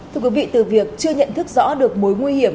thưa quý vị từ việc chưa nhận thức rõ được mối nguy hiểm